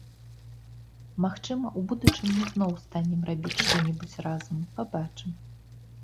Магчыма, у будучым мы зноў станем рабіць што-небудзь разам, пабачым.